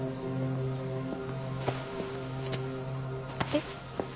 えっ？